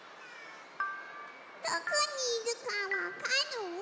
どこにいるかわかる？